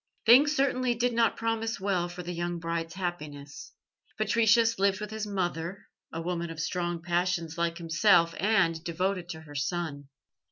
Things certainly did not promise well for the young bride's happiness. Patricius lived with his mother, a woman of strong passions like himself, and devoted to her son.